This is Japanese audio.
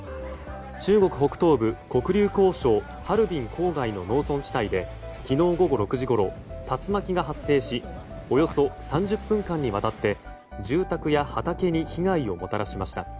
中国北東部黒竜江省ハルビン郊外の農村地帯で昨日午後６時ごろ竜巻が発生しおよそ３０分間にわたって住宅や畑に被害をもたらしました。